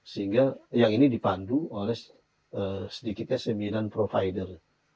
sehingga yang ini dipandu oleh sedikitnya sembilan provider